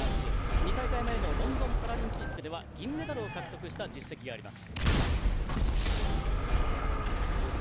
２大会前のロンドンパラリンピックでは銀メダルを獲得した実績があります。